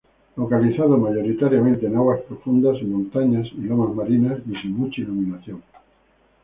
Localizado mayoritariamente en aguas profundas, en montañas y lomas marinas, y sin mucha iluminación.